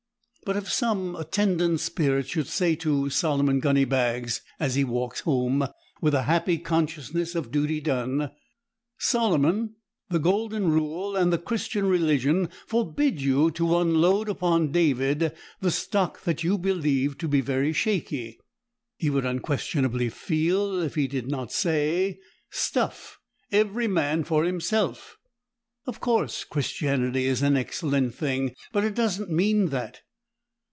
But if some attendant spirit should say to Solomon Gunnybags, as he walks home with the happy consciousness of duty done, "Solomon, the golden rule and the Christian religion forbid you to 'unload' upon David the stock that you believe to be very shaky," he would unquestionably feel, if he did not say: "Stuff! Every man for himself. Of course Christianity is an excellent thing, but it doesn't mean that."